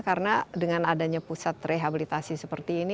karena dengan adanya pusat rehabilitasi seperti ini